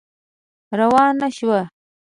روانه شوه.